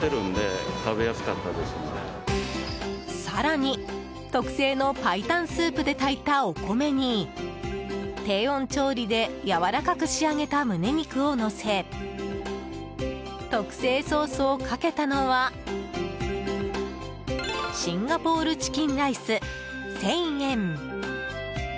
更に、特製の白湯スープで炊いたお米に低温調理でやわらかく仕上げた胸肉をのせ特製ソースをかけたのはシンガポールチキンライス１０００円。